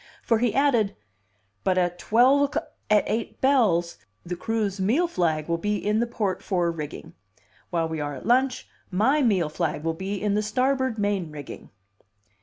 For he added: "But at twelve o'c at eight bells, the crew's meal flag will be in the port fore rigging. While we are at lunch, my meal flag will be in the starboard main rigging."